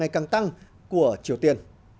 của các quốc gia